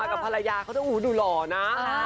กับภรรยาเขาต้องดูหล่อนะ